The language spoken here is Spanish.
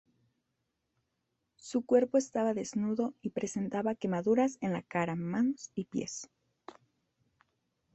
Su cuerpo estaba desnudo y presentaba quemaduras en la cara, manos y pies.